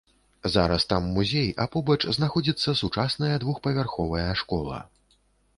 Зараз там музей, а побач знаходзіцца сучасная двухпавярховая школа.